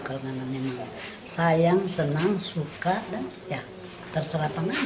kalau nggak memang sayang senang suka ya terserah apa nggak